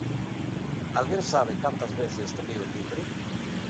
¿Alguén sabe cantas veces toquei o timbre?